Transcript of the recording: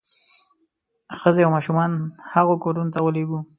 ښځې او ماشومان هغو کورونو ته ولېږو.